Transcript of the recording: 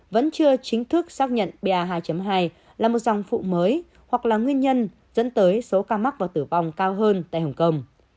vẫn chưa chính thức xác nhận ba hai là một dòng phụ mới hoặc là nguyên nhân dẫn tới số ca mắc và tử vong cao hơn tại hồng kông